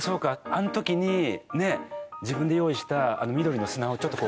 あの時にね自分で用意した緑の砂をちょっとこう。